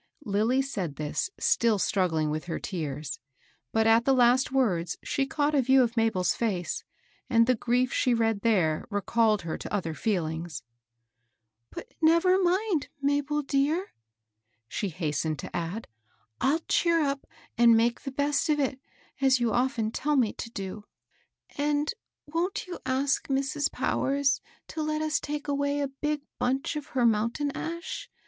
Lilly said this still struggling with her tears ; but at the last words she caught a view of Mabel's fece, and the grief she read there recalled her to other feelings. 10 146 MABEL ROSS. " But never mind, Mabel dear," she hastened to add ;" I'll cheer up and make the best of it, as you often tell me to do. And wont you ask Mrs. Powers to hi us take away a big bunch of her mountain ash